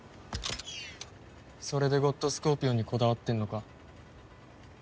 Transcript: それでゴッドスコーピオンにこだわってんのか。